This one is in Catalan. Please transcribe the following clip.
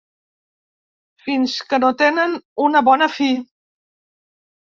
Fins que no tenen una bona fi.